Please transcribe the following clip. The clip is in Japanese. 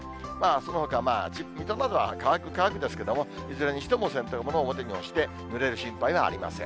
そのほか、水戸などは乾く乾くですけれども、いずれにしても洗濯物、表に干して、ぬれる心配はありません。